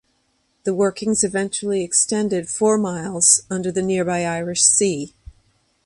The workings eventually extended four miles under the nearby Irish Sea.